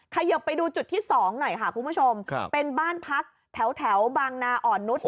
เขยิบไปดูจุดที่๒หน่อยค่ะคุณผู้ชมเป็นบ้านพักแถวบางนาอ่อนนุษย์